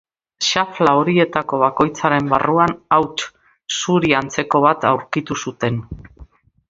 Xafla horietako bakoitzaren barruan hauts zuri antzeko bat aurkitu zuten.